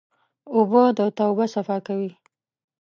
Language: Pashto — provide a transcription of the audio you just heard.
اوبه د توبه صفا کوي.